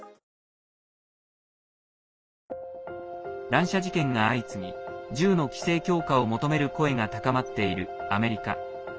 乱射事件が相次ぎ銃の規制強化を求める声が高まっているアメリカ。